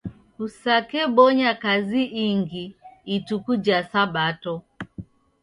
Kusakebonya kazi ingi ituku ja sabato.